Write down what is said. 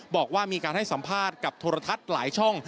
บอกว่ามีการให้สัมภาษณ์กับโทรทัศน์หลายช่อง